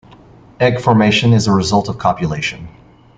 Egg formation is a result of copulation.